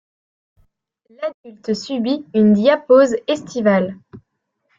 L'adulte subit une diapause estivale.